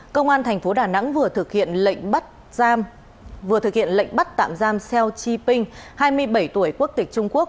công an tp đà nẵng vừa thực hiện lệnh bắt tạm giam seo chi ping hai mươi bảy tuổi quốc tịch trung quốc